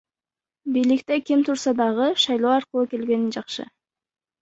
Бийликте ким турса дагы, шайлоо аркылуу келгени жакшы.